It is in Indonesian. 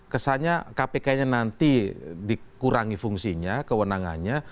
kesannya kpk nya nanti dikurangi fungsinya kewenangannya